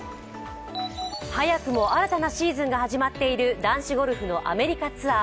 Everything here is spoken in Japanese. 早くも新たなシーズンが始まっている男子ゴルフのアメリカツアー。